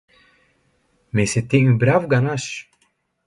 Mais c'était une brave ganache.